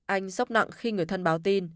anh sốc nặng khi người thân báo tin